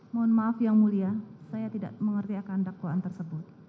mohon maaf yang mulia saya tidak mengerti akan dakwaan tersebut